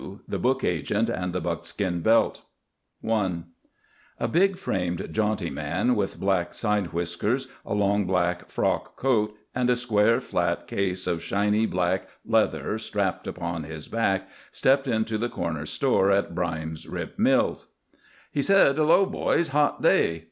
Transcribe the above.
II. THE BOOK AGENT AND THE BUCKSKIN BELT I A big framed, jaunty man with black side whiskers, a long black frock coat, and a square, flat case of shiny black leather strapped upon his back, stepped into the Corner Store at Brine's Rip Mills. He said: "Hullo, boys! Hot day!"